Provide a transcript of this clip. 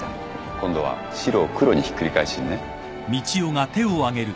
今度は白を黒にひっくり返しにね。